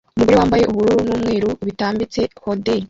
Umugore wambaye ubururu n'umweru bitambitse hoodie